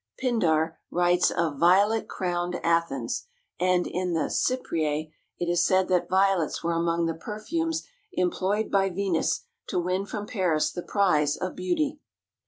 Pindar writes of "Violet crowned Athens," and in the "Cyprea" it is said that Violets were among the perfumes employed by Venus to win from Paris the prize of beauty.